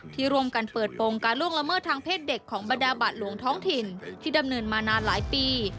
ที่ร่วมกันเปิดโปรงการล่วงละเมิดทางเพศเด็กของบรรดาบัตรหลวงท้องถิ่นที่ดำเนินมานานหลายปี